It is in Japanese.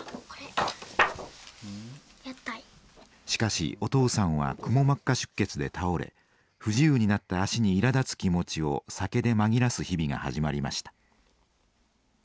しかしお父さんはくも膜下出血で倒れ不自由になった足に苛立つ気持ちを酒で紛らす日々が始まりました。